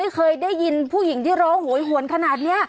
เคยได้ยินผู้หญิงที่ร้องโหยหวนขนาดนี้